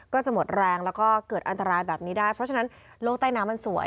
ก็จะหมดแรงแล้วก็เกิดอันตรายแบบนี้ได้เพราะฉะนั้นโลกใต้น้ำมันสวย